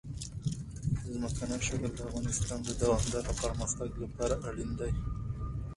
ځمکنی شکل د افغانستان د دوامداره پرمختګ لپاره اړین دي.